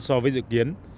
so với dự kiến